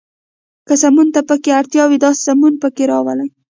که سمون ته پکې اړتیا وي، داسې سمون پکې راولئ.